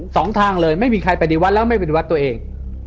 สองทางเลยไม่มีใครไปในวัดแล้วไม่เป็นวัดตัวเอง